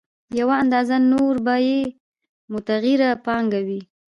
یوه اندازه نوره به یې متغیره پانګه وي